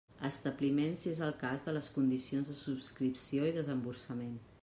Establiment, si és el cas, de les condicions de subscripció i desemborsament.